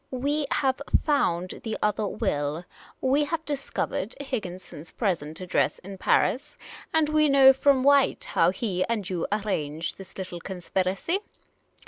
" We have found the other will — we have discovered Higginson's present address in Paris — and we know from White how he and you arranged this little conspiracy.